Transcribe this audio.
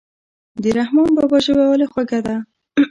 د رحمان بابا ژبه ولې خوږه ده.